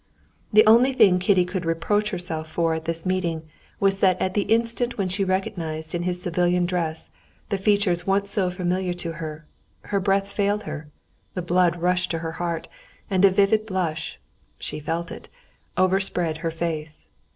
The only thing Kitty could reproach herself for at this meeting was that at the instant when she recognized in his civilian dress the features once so familiar to her, her breath failed her, the blood rushed to her heart, and a vivid blush—she felt it—overspread her face.